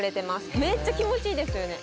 めっちゃ気持ちいいですよね。